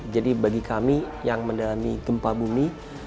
jadi bagi kami yang mendalami gempa bumi